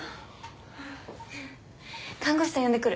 看護師さん呼んでくる。